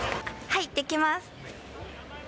はい、できます。